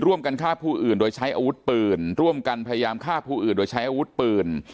ร่วมกันฆ่าผู้อื่นโดยใช้อาวุธปืนร่วมกันพยายามฆ่าผู้อื่นโดยใช้อาวุธปืน